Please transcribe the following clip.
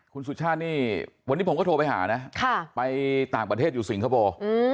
คุณสุชาตินี่วันนี้ผมก็โทรไปหานะไปต่างประเทศอยู่สิงคโปร์